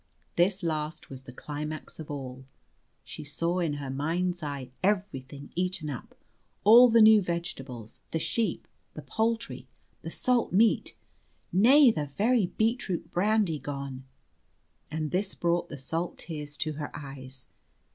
This last was the climax of all. She saw in her mind's eye everything eaten up all the new vegetables, the sheep, the poultry, the salt meat nay, the very beetroot brandy gone. And this brought the salt tears to her eyes.